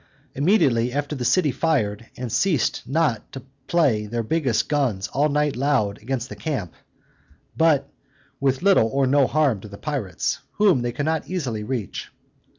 Immediately after the city fired, and ceased not to play their biggest guns all night long against the camp, but with little or no harm to the pirates, whom they could not easily reach.